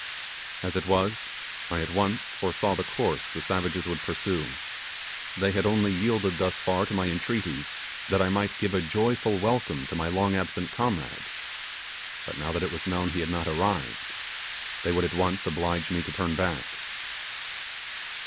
As it was, I at once foresaw the course the savages would pursue. They had only yielded thus far to my entreaties, that I might give a joyful welcome to my long lost comrade; but now that it was known he had not arrived they would at once oblige me to turn back.